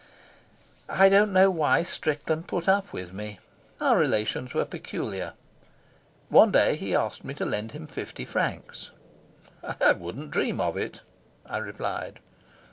I do not know why Strickland put up with me. Our relations were peculiar. One day he asked me to lend him fifty francs. "I wouldn't dream of it," I replied.